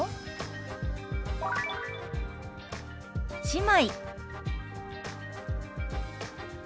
「姉妹」。